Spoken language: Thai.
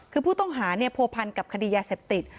คือผู้ต้องหาผัวพันกับคดียาเสพติด